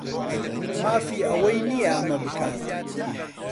مافی ئەوەی نییە ئەمە بکات.